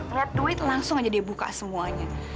road duit langsung aja dia buka semuanya